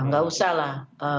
gak usah lah